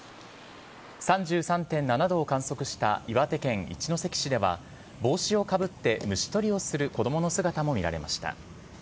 ３３．７度を観測した岩手県一関市では、帽子をかぶって虫取りをする子どもの姿も見られました。